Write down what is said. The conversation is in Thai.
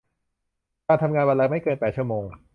การทำงานวันละไม่เกินแปดชั่วโมง